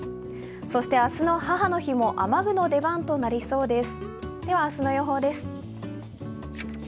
そして明日の母の日も雨具の出番となりそうです。